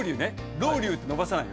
ロウリューって伸ばさないよ。